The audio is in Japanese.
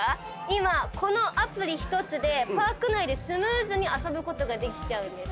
今このアプリ一つでパーク内でスムーズに遊ぶことができちゃうんです。